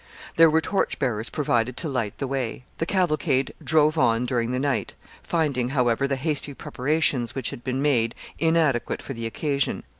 There were torch bearers provided to light the way. The cavalcade drove on during the night, finding, however, the hasty preparations which had been made inadequate for the occasion.